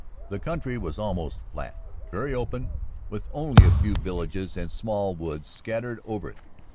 The country was almost flat, very open, with only a few villages and small woods scattered over it.